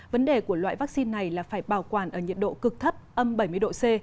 vấn đề của loại vaccine này là phải bảo quản ở nhiệt độ cực thấp âm bảy mươi độ c